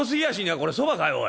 これそばかいおい！